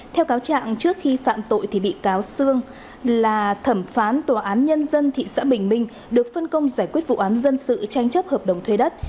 theo cáo trạng trước khi phạm tội thì bị cáo sương là thẩm phán tòa án nhân dân thị xã bình minh được phân công giải quyết vụ án dân sự tranh chấp hợp đồng thuê đất